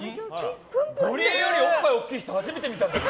ゴリエよりおっぱい大きい人初めて見た。